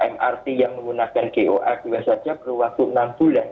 mrt yang menggunakan goa dua saja perlu waktu enam bulan